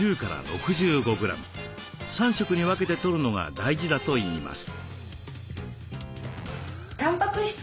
３食に分けてとるのが大事だといいます。